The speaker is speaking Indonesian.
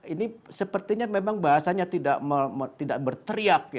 ini sepertinya memang bahasanya tidak berteriak